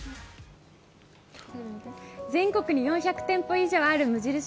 全国に４００店舗以上ある無印